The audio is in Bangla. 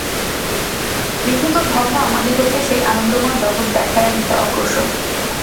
বিভিন্ন ধর্ম আমাদিগকে সেই আনন্দময় জগৎ দেখাইয়া দিতে অগ্রসর।